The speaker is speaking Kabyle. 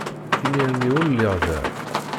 Imir-nni ur lliɣ da.